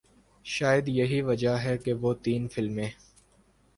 شاید یہی وجہ ہے کہ وہ تین فلمیں